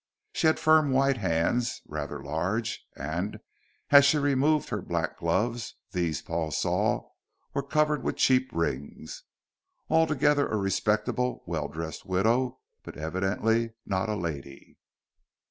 She had firm, white hands, rather large, and, as she had removed her black gloves, these, Paul saw, were covered with cheap rings. Altogether a respectable, well dressed widow, but evidently not a lady.